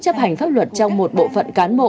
chấp hành pháp luật trong một bộ phận cán bộ